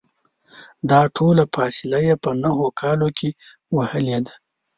دا ټوله فاصله یې په نهو کالو کې وهلې ده.